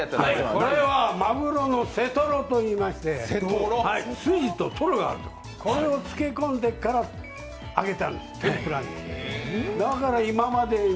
それはマグロのセトロといいまして、これをつけ込んでから揚げたんです、天ぷらに。